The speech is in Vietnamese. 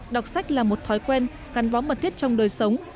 đọc sách là một thói quen gắn bó mật thiết trong đời sống